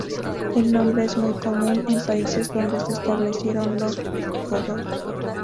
El nombre es muy común en países donde se establecieron los visigodos.